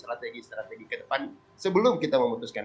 kita harus mencari pertimbangan yang lebih ke depan sebelum kita memutuskan